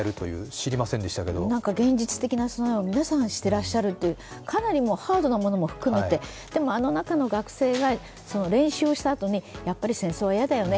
知りませんでしたけど現実的な備えを皆さんしていらっしゃるという、かなりハードなものも含めてでもあの中の学生が練習したあとにやっぱり戦争が嫌だよね